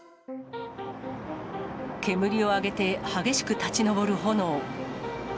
煙を上げて激しく立ち上る炎。